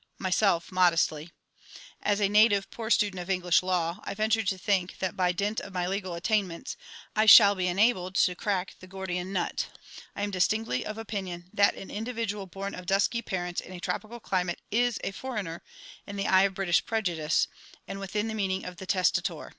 Myself (modestly). As a native poor student of English law, I venture to think that, by dint of my legal attainments, I shall be enabled to crack the Gordian nut. I am distinctly of opinion that an individual born of dusky parents in a tropical climate is a foreigner, in the eye of British prejudice, and within the meaning of the testator.